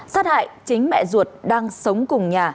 sát hại chính mẹ ruột đang sống cùng nhà